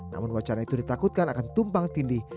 namun wacana itu ditakutkan akan tumpang tindih